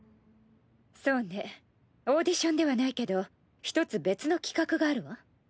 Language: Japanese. そうねオーディションではないけど１つ別の企画があるわ。